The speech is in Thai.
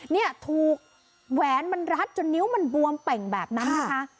เนี่ยถูกแหวนมันรัดจนนิ้วมันบวมเป่งแบบนั้นนะคะ